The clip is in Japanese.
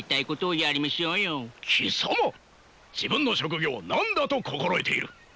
貴様自分の職業を何だと心得ている！